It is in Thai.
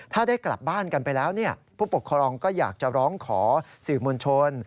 ถ้าได้กลับบ้านกันไปแล้วผู้ปกครองก็อยากจะร้องขอสื่อมวลชน